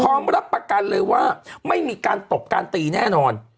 รับประกันเลยว่าไม่มีการตบการตีแน่นอน